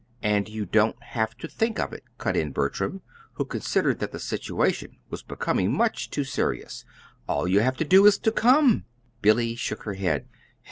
"And you don't have to think of it," cut in Bertram, who considered that the situation was becoming much too serious. "All you have to do is to come." Billy shook her head.